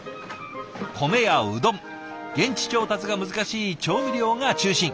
米やうどん現地調達が難しい調味料が中心。